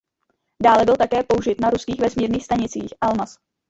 Dále byl také použit na ruských vesmírných stanicích Almaz.